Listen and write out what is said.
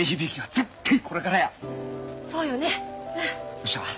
よっしゃ！